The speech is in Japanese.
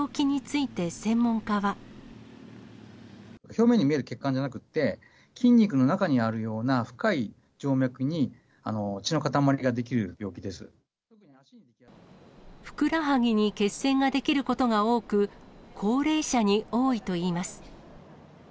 表面に見える血管ではなくて、筋肉の中にあるような深い静脈に、ふくらはぎに血栓が出来ることが多く、高齢者に多いといいます。